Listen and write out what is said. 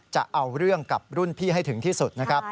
จะเอาเรื่องกับรุ่นพี่ให้ถึงที่สุดนะครับ